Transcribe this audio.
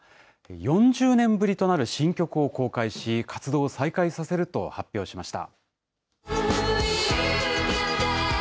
４０年ぶりとなる新曲を公開し、活動を再開させると発表しました。